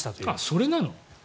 それなの？